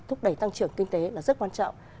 thúc đẩy tăng trưởng kinh tế là rất quan trọng